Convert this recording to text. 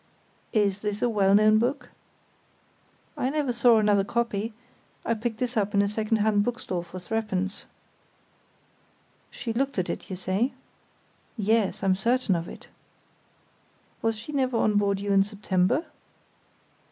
"Is this a well known book?" "I never saw another copy; picked this up on a second hand bookstall for threepence." "She looked at it, you say?" "Yes, I'm certain of it." "Was she never on board you in September?"